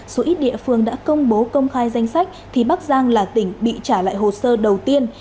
số ít địa phương đã công bố công khai danh sách thì bắc giang là tỉnh bị trả lại hồ sơ đầu tiên